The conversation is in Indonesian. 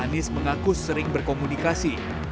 anies mengaku sering berkomunikasi